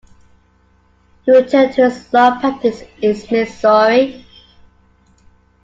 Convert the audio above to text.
He returned to his law practice in Missouri.